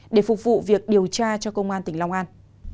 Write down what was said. để phục vụ việc điều tra cho công an tỉnh long an